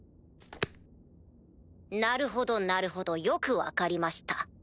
なるほどなるほどよく分かりました。